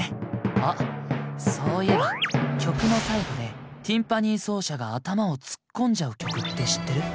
あっそういえば曲の最後でティンパニー奏者が頭を突っ込んじゃう曲って知ってる？